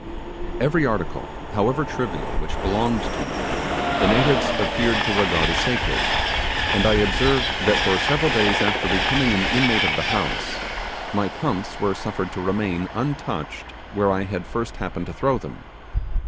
Every article, however trivial, which belonged to me, the natives appeared to regard as sacred; and I observed that for several days after becoming an inmate of the house, my pumps were suffered to remain, untouched, where I had first happened to throw them.